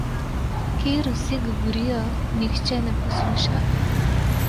Kjer vsi govorijo, nihče ne posluša.